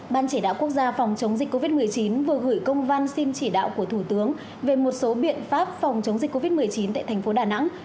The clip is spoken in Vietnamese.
ban chỉ đạo quốc gia phòng chống dịch covid một mươi chín vừa gửi công văn xin chỉ đạo của thủ tướng về một số biện pháp phòng chống dịch covid một mươi chín tại thành phố đà nẵng